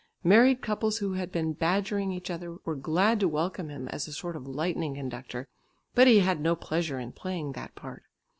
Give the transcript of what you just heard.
Married couples who had been badgering each other, were glad to welcome him as a sort of lightning conductor, but he had no pleasure in playing that part.